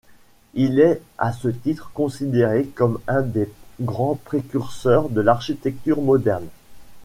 Il est à ce titre considéré comme un des grands précurseurs de l'architecture moderne.